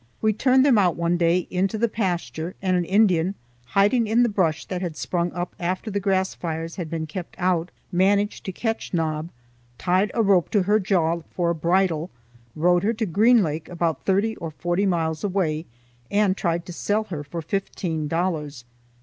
We turned them out one day into the pasture, and an Indian, hiding in the brush that had sprung up after the grass fires had been kept out, managed to catch Nob, tied a rope to her jaw for a bridle, rode her to Green Lake, about thirty or forty miles away, and tried to sell her for fifteen dollars.